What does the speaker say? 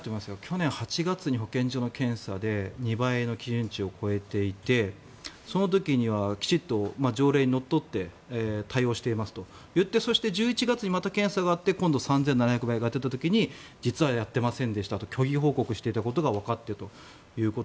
去年８月に保健所の検査で２倍の基準値を超えていてその時にはきちんと条例にのっとって対応していますと言ってそして、１１月にまた検査があって今度３７００倍が出た時に実はやってませんでしたと虚偽報告していたことがわかってと。